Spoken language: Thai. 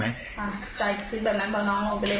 ใช่คิดแบบนั้นว่าน้องไปเล่นน้ำ